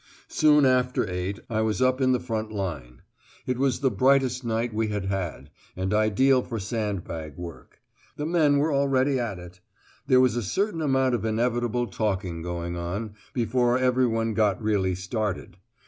Soon after eight I was up in the front line. It was the brightest night we had had, and ideal for sand bag work. The men were already at it. There was a certain amount of inevitable talking going on, before everyone got really started.